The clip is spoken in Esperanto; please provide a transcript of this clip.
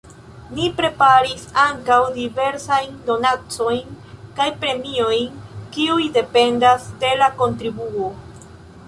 Ni preparis ankaŭ diversajn donacojn kaj premiojn, kiuj dependas de la kontribuo.